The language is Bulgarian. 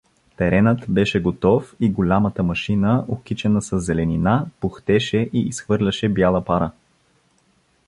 Тренът беше готов и голямата машина, окичена със зеленина, пухтеше и изхвърляше бяла пара.